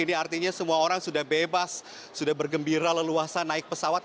ini artinya semua orang sudah bebas sudah bergembira leluasa naik pesawat